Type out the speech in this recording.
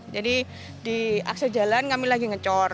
jadi di akses jalan kami lagi ngecor